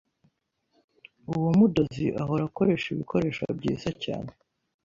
Uwo mudozi ahora akoresha ibikoresho byiza cyane.